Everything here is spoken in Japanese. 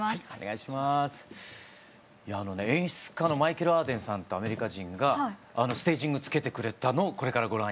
いやあのね演出家のマイケル・アーデンさんってアメリカ人がステージングつけてくれたのをこれからご覧頂きます。